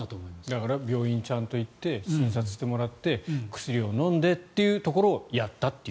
だから病院にちゃんと行って診察してもらって薬を飲んでというところをやったと。